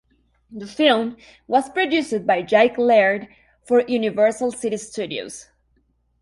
The film was produced by Jack Laird for Universal City Studios.